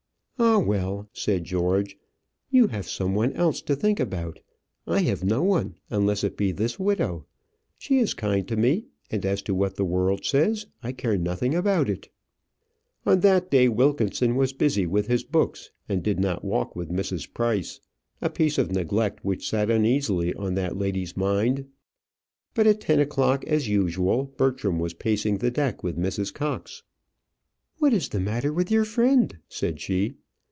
"Ah, well," said George, "you have some one else to think about. I have no one, unless it be this widow. She is kind to me, and as to what the world says, I care nothing about it." On that day Wilkinson was busy with his books, and did not walk with Mrs. Price a piece of neglect which sat uneasily on that lady's mind. But at ten o'clock, as usual, Bertram was pacing the deck with Mrs. Cox. "What is the matter with your friend?" said she.